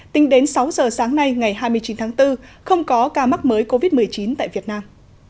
tính đến sáu giờ sáng nay ngày hai mươi chín tháng bốn không có ca mắc mới covid một mươi chín tại việt nam